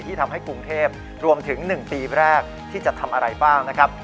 ที่ทำให้กรุงเทพรวมถึง๑ปีแรกที่จะทำอะไรบ้างนะครับ